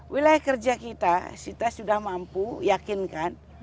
wilayah kerja kita kita sudah mampu yakinkan